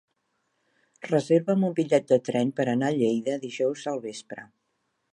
Reserva'm un bitllet de tren per anar a Lleida dijous al vespre.